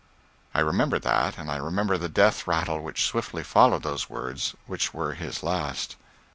I remember that, and I remember the death rattle which swiftly followed those words, which were his last.